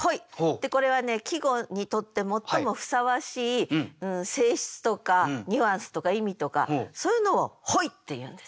でこれはね季語にとって最もふさわしい性質とかニュアンスとか意味とかそういうのを本意っていうんです。